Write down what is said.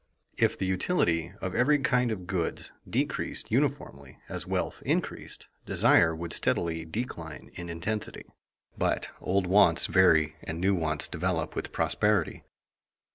_ If the utility of every kind of goods decreased uniformly as wealth increased, desire would steadily decline in intensity. But old wants vary and new wants develop with prosperity.